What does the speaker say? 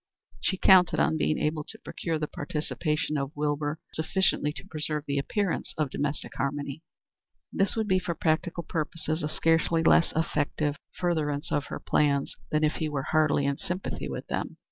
She counted on being able to procure the participation of Wilbur sufficiently to preserve the appearance of domestic harmony. This would be for practical purposes a scarcely less effective furtherance of her plans than if he were heartily in sympathy with them.